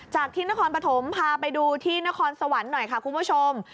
ที่นครปฐมพาไปดูที่นครสวรรค์หน่อยค่ะคุณผู้ชม